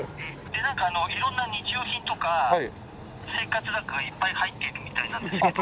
「でなんか色んな日用品とか生活雑貨がいっぱい入っているみたいなんですけど」